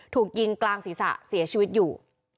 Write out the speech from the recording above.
ถูกยิงกลางศีรษะเสียชีวิตอยู่